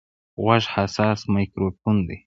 غوږ حساس مایکروفون دی.